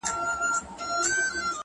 o فلسفې نغښتي دي،